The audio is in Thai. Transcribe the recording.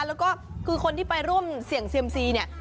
แล้วก็คือคนที่ไปร่วมเสี่ยงเซียมซีเนี่ย